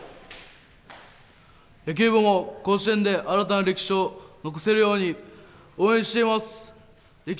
野球部も、甲子園で新たな歴史を残せるように応援しています。